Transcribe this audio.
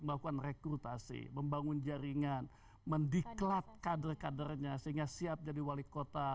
melakukan rekrutasi membangun jaringan mendiklat kader kadernya sehingga siap jadi wali kota